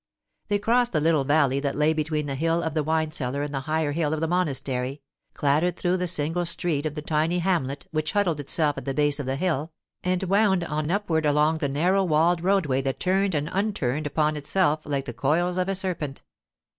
They crossed the little valley that lay between the hill of the wine cellar and the higher hill of the monastery, clattered through the single street of the tiny hamlet which huddled itself at the base of the hill, and wound on upward along the narrow walled roadway that turned and unturned upon itself like the coils of a serpent.